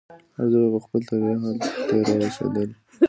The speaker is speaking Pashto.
هر څه به خپل طبعي حل ته رسېدل.